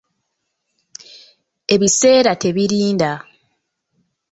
Ebiseera tebirinda.